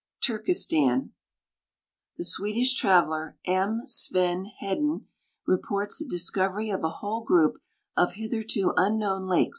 Turkestan. The Swedish traveler, M. Sven Iledin, reports the dis covery of a whole grouj) of hitherto unknown lake.